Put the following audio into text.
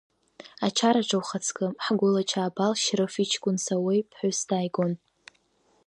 Ачараҿы, ухаҵкы, ҳгәыла Чаабал Шьрыф иҷкәын Сауеи ԥҳәыс дааигон…